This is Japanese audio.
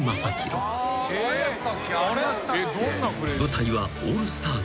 ［舞台はオールスターゲーム］